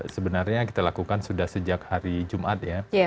sebenarnya kita lakukan sudah sejak hari jumat ya